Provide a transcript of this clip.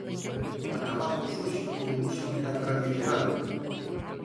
Acabamos hoxe con música tradicional.